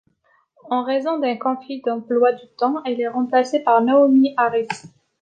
En raison d'un conflit d'emploi du temps, elle est remplacée par Naomie Harris.